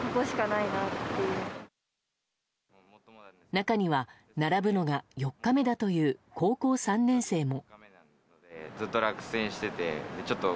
中には、並ぶのが４日目だという高校３年生も。